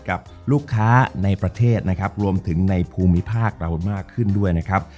กับลูกค้าในประเทศนะครับรวมถึงในภูมิภาคเรามากขึ้นด้วยนะครับ